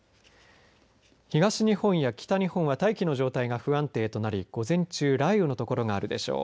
東日本や北日本は大気の状態が不安定となり午前中雷雨の所があるでしょう。